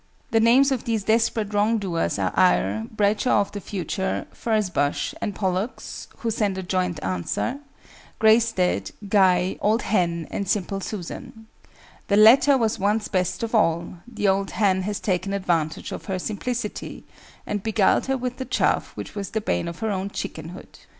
The names of these desperate wrong doers are AYR, BRADSHAW OF THE FUTURE, FURZE BUSH and POLLUX (who send a joint answer), GREYSTEAD, GUY, OLD HEN, and SIMPLE SUSAN. The latter was once best of all; the Old Hen has taken advantage of her simplicity, and beguiled her with the chaff which was the bane of her own chickenhood.